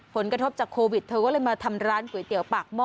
ผลกระทบจากโควิดเธอก็เลยมาทำร้านก๋วยเตี๋ยวปากหม้อ